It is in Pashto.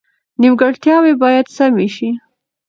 نیمګړتیاوې باید سمې شي.